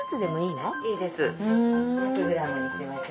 いいです。